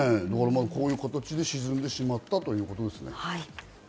こういう形で沈んでしまったということですね。